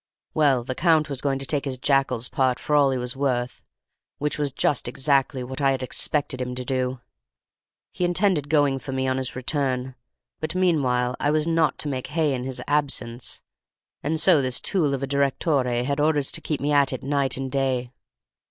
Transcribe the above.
Well, the Count was going to take his jackal's part for all he was worth, which was just exactly what I had expected him to do. He intended going for me on his return, but meanwhile I was not to make hay in his absence, and so this tool of a direttore had orders to keep me at it night and day.